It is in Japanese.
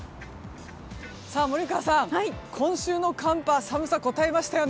森川さん、今週の寒波寒さ、こたえましたよね。